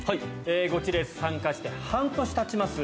ゴチレース参加して半年たちます